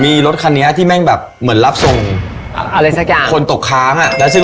มีรถคันนี้ที่มีการเหมือนรับทรง